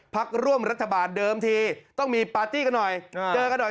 พักร่วมรัฐบาลเดิมทีต้องมีปาร์ตี้กันหน่อยเจอกันหน่อย